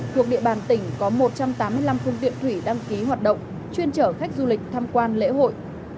thuộc địa bàn tỉnh có một trăm tám mươi năm phương tiện thủy đăng ký hoạt động chuyên chở khách du lịch tham quan lễ hội